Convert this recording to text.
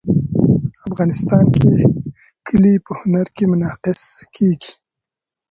افغانستان کې کلي په هنر کې منعکس کېږي.